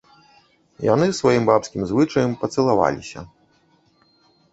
Яны, сваім бабскім звычаем, пацалаваліся.